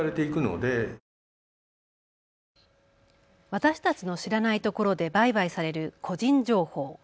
私たちの知らないところで売買される個人情報。